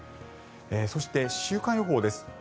そして週間予報です。